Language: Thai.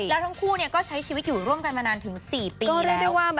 แล้วทั้งคู่เนี่ยก็ใช้ชีวิตอยู่ร่วมกันมานานถึง๔ปี